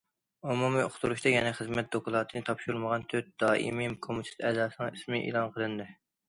ئومۇمىي ئۇقتۇرۇشتا يەنە خىزمەت دوكلاتىنى تاپشۇرمىغان تۆت دائىمىي كومىتېت ئەزاسىنىڭ ئىسمى ئېلان قىلىندى.